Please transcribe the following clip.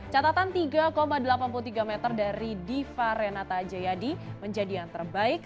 catatan tiga delapan puluh tiga meter dari diva renata jayadi menjadi yang terbaik